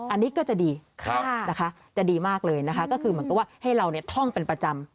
อันนี้ก็จะดีนะคะจะดีมากเลยนะคะก็คือเหมือนกับว่าให้เราท่องเป็นประจำ